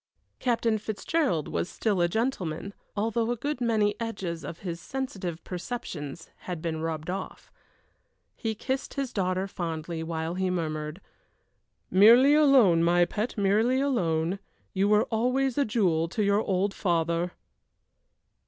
Captain Fitzgerald was still a gentleman, although a good many edges of his sensitive perceptions had been rubbed off. He kissed his daughter fondly while he murmured: "Merely a loan, my pet, merely a loan. You were always a jewel to your old father!"